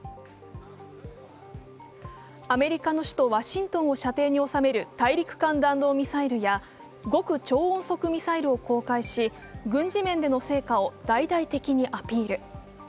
アメリカの首都ワシントンを射程に収める大陸間弾道ミサイルや極超音速ミサイルを公開し軍事面での成果を大々的にアピール。